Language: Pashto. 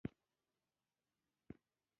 همداسې د غزنی ولایت د هزاره میشتو سیمو